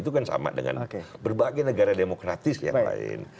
itu kan sama dengan berbagai negara demokratis yang lain